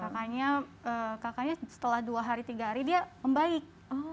kakaknya setelah dua hari tiga hari dia membaik